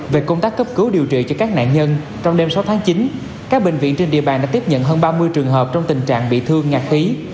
về công tác cấp cứu điều trị cho các nạn nhân trong đêm sáu tháng chín các bệnh viện trên địa bàn đã tiếp nhận hơn ba mươi trường hợp trong tình trạng bị thương ngạc khí